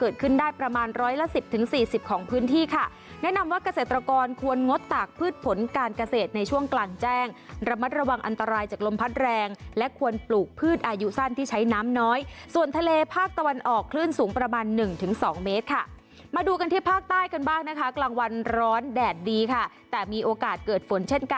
เกิดขึ้นได้ประมาณร้อยละสิบถึงสี่สิบของพื้นที่ค่ะแนะนำว่าเกษตรกรควรงดตากพืชผลการเกษตรในช่วงกลางแจ้งระมัดระวังอันตรายจากลมพัดแรงและควรปลูกพืชอายุสั้นที่ใช้น้ำน้อยส่วนทะเลภาคตะวันออกคลื่นสูงประมาณหนึ่งถึงสองเมตรค่ะมาดูกันที่ภาคใต้กันบ้างนะคะกลางวันร้อนแดดดีค่ะแต่มีโอกาสเกิดฝนเช่นก